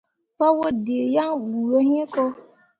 Paa waddǝǝ yaŋ bu yo hĩĩ ko.